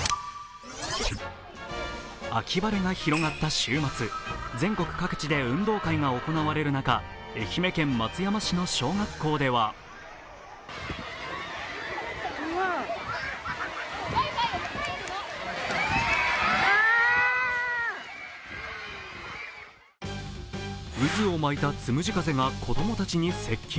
秋晴れが広がった週末、全国各地で運動会が行われる中、愛媛県松山市の小学校では渦を巻いたつむじ風が子供たちに接近。